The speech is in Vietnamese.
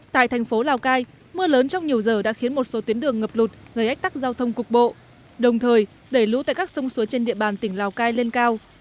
tại thành phố lào cai mưa lớn trong nhiều giờ đã khiến một số tuyến đường ngập lụt gây ách tắc giao thông cục bộ đồng thời đẩy lũ tại các sông suối trên địa bàn tỉnh lào cai lên cao